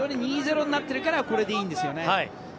２−０になってるからこれでいいんですよね。